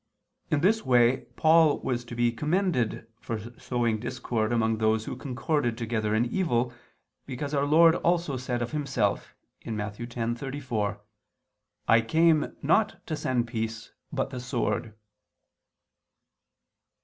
In this way Paul was to be commended for sowing discord among those who concorded together in evil, because Our Lord also said of Himself (Matt. 10:34): "I came not to send peace, but the sword."